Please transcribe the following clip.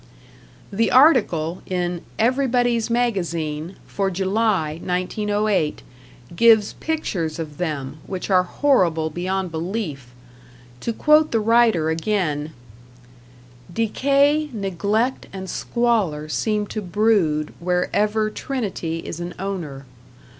The article, in Everybody's Magazine for July, 1908, gives pictures of them, which are horrible beyond belief. To quote the writer again: Decay, neglect and squalor seem to brood wherever Trinity is an owner.